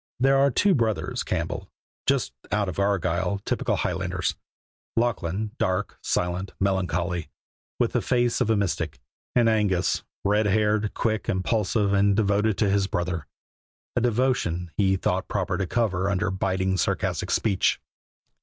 There were two brothers Campbell just out from Argyll, typical Highlanders: Lachlan, dark, silent, melancholy, with the face of a mystic, and Angus, red haired, quick, impulsive, and devoted to his brother, a devotion he thought proper to cover under biting, sarcastic speech.